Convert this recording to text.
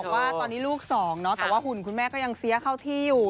ว่าตอนนี้ลูกสองเนาะแต่ว่าหุ่นคุณแม่ก็ยังเสียเข้าที่อยู่